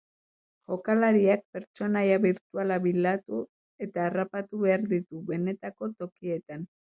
Jokalariak pertsonaia birtualak bilatu eta harrapatu behar ditu benetako tokietan.